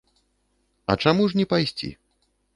А чаму ж не пайсці?